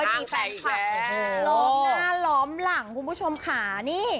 หลอมหน้าหลอมหลังมีคำพูดขวดของทุกคน